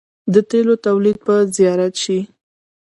د تیلو تولید به زیات شي.